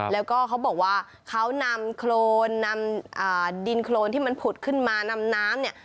แล้วก็เขาบอกว่าเขานำโครนนำดินโครนที่มันผุดขึ้นมานำน้ำเนี่ย